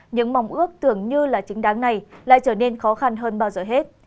những mong ước tưởng như là chính đáng này lại trở nên khó khăn hơn bao giờ hết